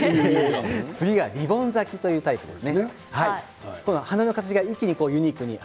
次が、リボン咲きというタイプです。